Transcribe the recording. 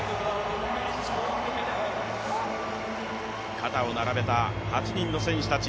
肩を並べた８人の選手たち。